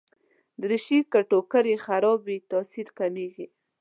دریشي که ټوکر يې خراب وي، تاثیر کمېږي.